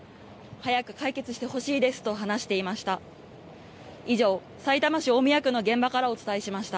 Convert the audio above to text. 早く解決してほしいですと話していました。